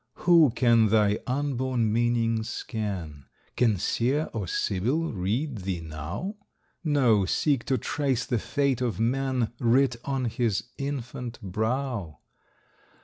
Who can thy unborn meaning scan? Can Seer or Sibyl read thee now? No, seek to trace the fate of man Writ on his infant brow.